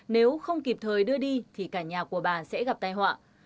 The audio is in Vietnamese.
nếu không kịp thời đưa đi thì cả nhà của bà sẽ gặp tai họa